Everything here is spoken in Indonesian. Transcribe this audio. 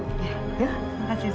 terima kasih dok